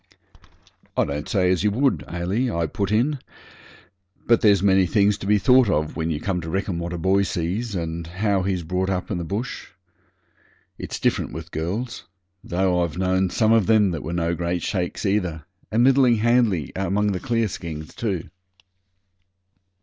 'I don't say as you would, Ailie,' I put in; 'but there's many things to be thought of when you come to reckon what a boy sees, and how he's brought up in the bush. It's different with girls though I've known some of them that were no great shakes either, and middling handy among the clearskins too.'